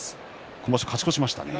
今場所は勝ち越しましたね。